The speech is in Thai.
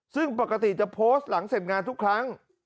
ซึ่งปกติจะโพสต์หลังเสร็จงานทุกครั้ง